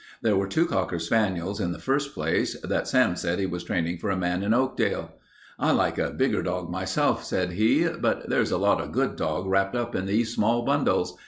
There were two cocker spaniels, in the first place, that Sam said he was training for a man in Oakdale. "I like a bigger dog, myself," said he, "but there's a lot of good dog wrapped up in these small bundles.